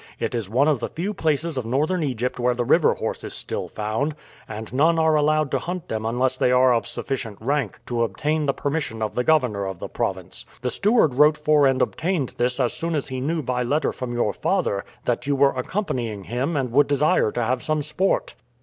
It is one of the few places of Northern Egypt where the river horse is still found, and none are allowed to hunt them unless they are of sufficient rank to obtain the permission of the governor of the province. The steward wrote for and obtained this as soon as he knew by letter from your father that you were accompanying him and would desire to have some sport."